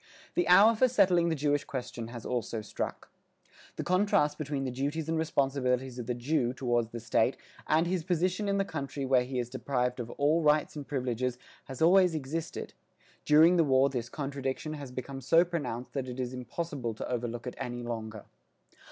The hour for settling the Jewish question has also struck. The contrast between the duties and responsibilities of the Jew toward the state and his position in the country where he is deprived of all rights and privileges has always existed; during the war this contradiction has become so pronounced that it is impossible to overlook it any longer.